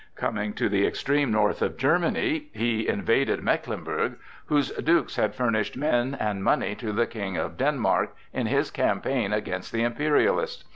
Coming to the extreme north of Germany, he invaded Mecklenburg, whose dukes had furnished men and money to the King of Denmark in his campaign against the imperialists.